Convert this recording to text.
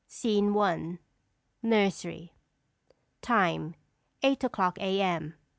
SCENE I. NURSERY. [_Time, eight o'clock A.M.